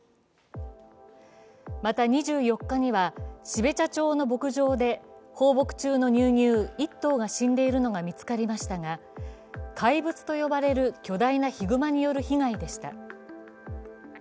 また２４日には、標茶町の牧場で放牧中の乳牛１頭が死んでいるのが見つかりましたが怪物と呼ばれる巨大なヒグマによる被害でした。